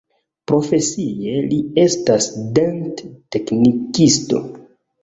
Profesie li estas dent-teknikisto.